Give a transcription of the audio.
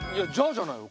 じゃないよ。